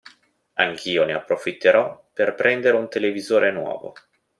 Anch'io ne approfitterò per prendere un televisore nuovo.